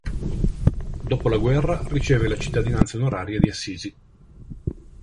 Dopo la guerra riceve la cittadinanza onoraria di Assisi.